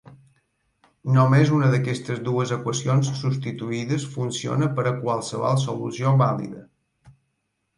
Només una d'aquestes dues equacions substituïdes funciona per a qualsevol solució vàlida.